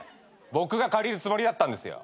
僕が借りるつもりだったんですよ。